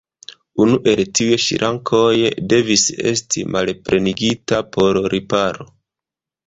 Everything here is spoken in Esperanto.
Unu el tiuj ŝrankoj devis esti malplenigita por riparo.